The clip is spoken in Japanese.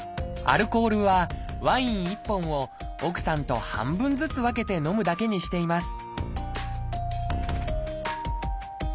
アルコールはワイン１本を奧さんと半分ずつ分けて飲むだけにしています